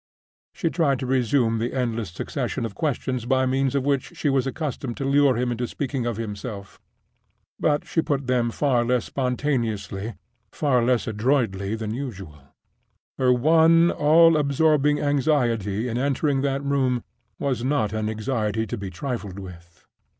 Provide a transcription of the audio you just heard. She tried to resume the endless succession of questions by means of which she was accustomed to lure him into speaking of himself. But she put them far less spontaneously, far less adroitly, than usual. Her one all absorbing anxiety in entering that room was not an anxiety to be trifled with.